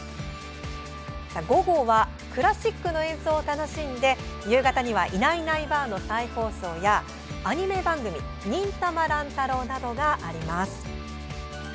午後はクラシックの演奏を楽しんで夕方には「いないいないばあっ！」の再放送やアニメ番組「忍たま乱太郎」などがあります。